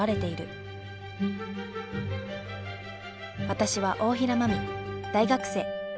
私は大平まみ大学生。